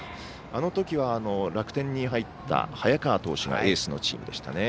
あのときは、楽天に入った早川投手がエースのチームでした。